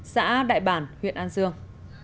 xã đại bản huyện an dương